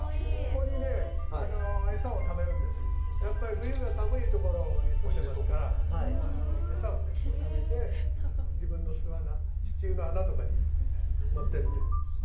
冬、寒いところにすんでいますから餌を蓄えて、自分の巣穴地中の穴とかに持っていって。